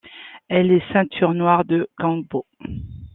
Elle est ceinture noire de kenpō.